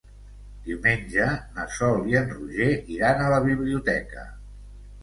Diumenge na Sol i en Roger iran a la biblioteca.